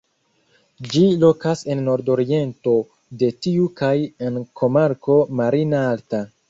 Ĝi lokas en nordoriento de tiu kaj en komarko "Marina Alta".